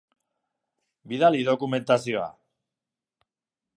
Bidali dokumentazioa.